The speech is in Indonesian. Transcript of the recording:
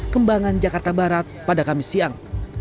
kembangan jakarta barat pada kamis siang